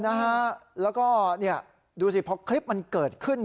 เอ้อน่าฮะแล้วก็ดูซิเพราะคลิปเกิดขึ้น